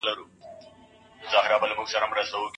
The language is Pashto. قصاص د انسانانو د ژوند د ژغورلو یوه وسیله ده.